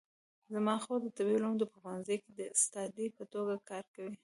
زما خور د طبي علومو په پوهنځي کې د استادې په توګه کار کوي